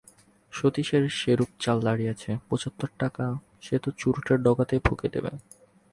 সতীশের যেরূপ চাল দাঁড়িয়েছে, পঁচাত্তর টাকা তো সে চুরুটের ডগাতেই ফুঁকে দেবে।